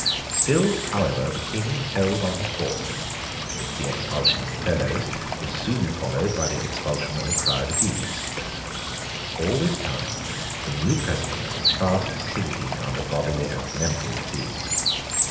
Still, however, the King held on his course. The expulsion of the Fellows was soon followed by the expulsion of a crowd of Demies. All this time the new President was fast sinking under bodily and mental disease.